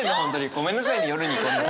ごめんなさいね夜に。